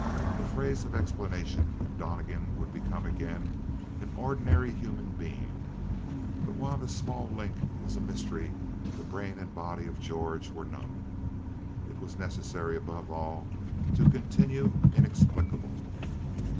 A phrase of explanation and Donnegan would become again an ordinary human being; but while the small link was a mystery the brain and body of George were numb. It was necessary above all to continue inexplicable.